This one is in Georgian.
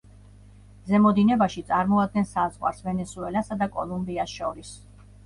ზემო დინებაში წარმოადგენს საზღვარს ვენესუელასა და კოლუმბიას შორის.